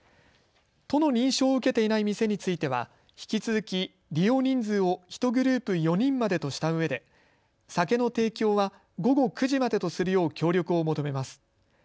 都の認証を受けていない店については引き続き、利用人数を１グループ４人までとしたうえで酒の提供は午後９時までとするよう協力を求めます。